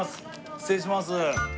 失礼します。